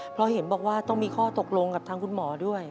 เพราะเห็นบอกว่าต้องมีข้อตกลงกับทางคุณหมอด้วย